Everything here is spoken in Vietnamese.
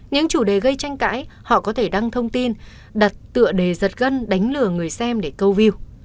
những chủ đề gây tranh cãi họ có thể đăng thông tin đặt tựa đề giật gân đánh lừa người xem để câu view